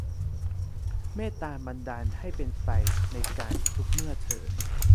เมตตาบันดาลให้เป็นไป ในกาลทุกเมื่อเทอญ